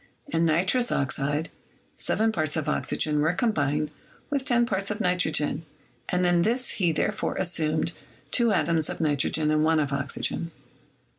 In nitrous oxide, 7 parts of oxygen were combined with 10 parts of nitrogen, and in this he therefore assumed two atoms of nitrogen and one of oxygen.